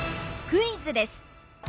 クイズです！